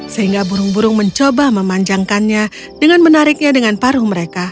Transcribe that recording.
sehingga burung burung mencoba memanjangkannya dengan menariknya dengan paruh mereka